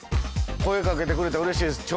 声掛けてくれたらうれしいです。